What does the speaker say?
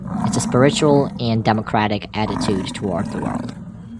It's a spiritual and democratic attitude toward the world.